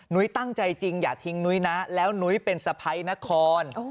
ตั้งใจจริงอย่าทิ้งนุ้ยนะแล้วนุ้ยเป็นสะพ้ายนคร